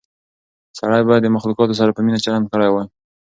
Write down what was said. سړی باید د مخلوقاتو سره په مینه چلند کړی وای.